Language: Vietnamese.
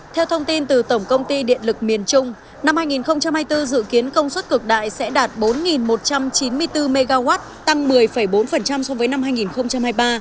theo thông tin từ tổng công ty điện lực miền trung năm hai nghìn hai mươi bốn dự kiến công suất cực đại sẽ đạt bốn một trăm chín mươi bốn mw tăng một mươi bốn so với năm hai nghìn hai mươi ba